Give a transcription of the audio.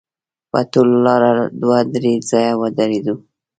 په ټوله لاره دوه درې ځایه ودرېدو.